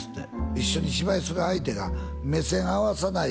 一緒に芝居する相手が目線合わさない